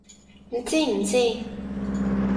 你知唔知！